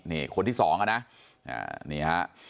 นี่คนที่สองอ่ะนะนี่ฮะ